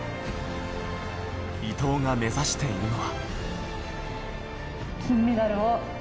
伊藤が目指しているのは。